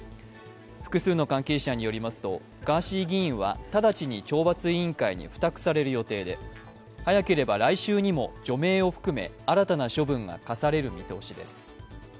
複数の関係者によりますと、ガーシー議員は直ちに懲罰委員会に付託される予定で早ければ来週にも除名を含め新たな処分が科される見通しです。